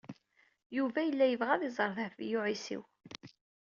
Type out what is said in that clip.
Yuba yella yebɣa ad iẓer Dehbiya u Ɛisiw.